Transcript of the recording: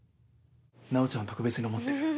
七桜ちゃんを特別に思ってる。